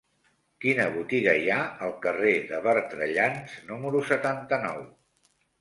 Quina botiga hi ha al carrer de Bertrellans número setanta-nou?